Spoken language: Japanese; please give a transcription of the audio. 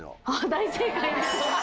大正解です。